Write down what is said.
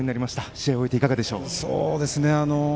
試合を終えていかがでしょう。